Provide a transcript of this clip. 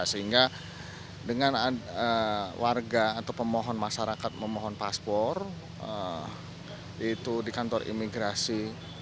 sehingga dengan warga atau pemohon masyarakat memohon paspor itu di kantor imigrasi